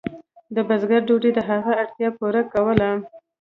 د بزګر ډوډۍ د هغه اړتیا پوره کوله.